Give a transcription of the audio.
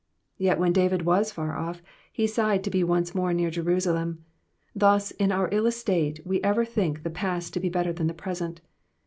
'*'* Yet when David was far off, he sighed to be once more near Jerusalem ; thus, in our ill estate we ever think the past to be better than the present.